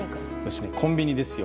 コンビニですよ。